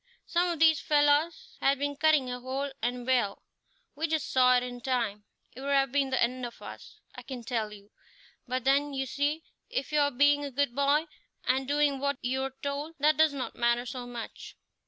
Some of these fellows had been cutting a hole, and well, we just saw it in time. It would have been the end of us, I can tell you; but then, you see, if you are being a good boy and doing what you're told, that does not matter so much."